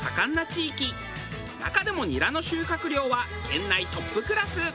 中でもニラの収穫量は県内トップクラス。